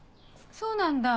そうなんだ。